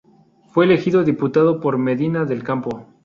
Fue elegido diputado por Medina del Campo.